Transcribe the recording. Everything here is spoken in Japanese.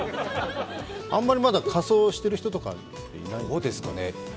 あんまりまだ仮装してる人とかいない？